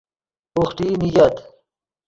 بوحٹی نیگت